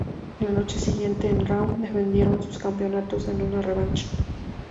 La noche siguiente en "Raw", defendieron sus campeonatos en una revancha.